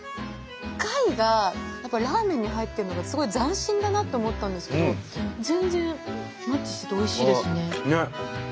貝がやっぱラーメンに入ってるのがすごい斬新だなって思ったんですけど全然マッチしてておいしいですね。